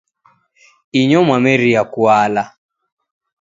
Inyo mwameria kuela